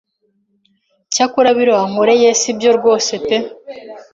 Icyakora biriya wankoreye si byo rwose pe